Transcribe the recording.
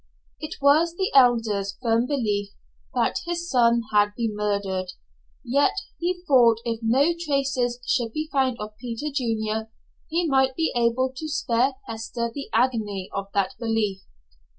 It was the Elder's firm belief that his son had been murdered, yet he thought if no traces should be found of Peter Junior, he might be able to spare Hester the agony of that belief.